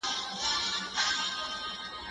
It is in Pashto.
زه ونې ته اوبه ورکړې دي!؟